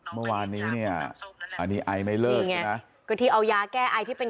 เมื่อวานนี้เนี่ยอันนี้ไอไม่เลิกไงนะก็ที่เอายาแก้ไอที่เป็น